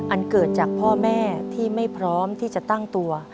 อันเกิดจากพ่อแม่ที่ไม่พร้อมที่จะตั้งตัว